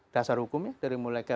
dasar hukumnya dari mulai